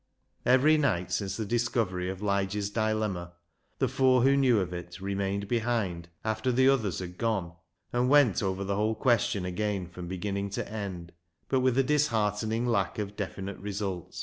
Every night since the discovery of Lige's dilemma, the four who knew of it remained behind after the others had gone, and went over the whole question again from beginning to end, but with a disheartening lack of definite result.